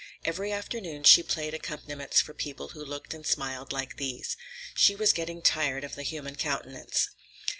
Every afternoon she played accompaniments for people who looked and smiled like these. She was getting tired of the human countenance.